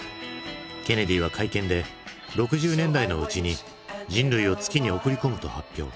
ケネディは会見で６０年代のうちに人類を月に送り込むと発表。